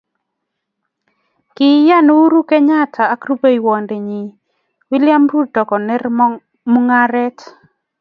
kiyay Uhuru Kenyatta ak rubeiwonde nyii William Ruto koner mong'aree.